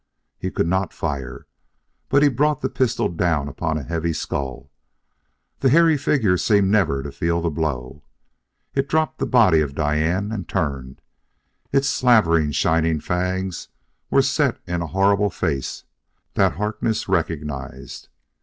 He could not fire; but he brought the pistol down upon a heavy skull. The hairy figure seemed never to feel the blow. It dropped the body of Diane and turned, and its slavering, shining fangs were set in a horrible face that Harkness recognized.